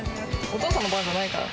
お父さんの番じゃないから。